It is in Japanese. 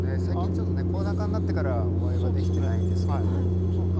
最近ちょっとねコロナ禍になってからお会いはできてないんですけど。